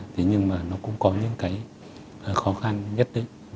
thế nhưng mà nó cũng có những cái khó khăn nhất định